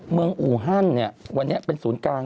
เมืองอู่ฮั่นวันนี้เป็นศูนย์กลาง